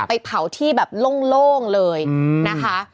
ไปเผาที่แบบโล่งเลยนะคะ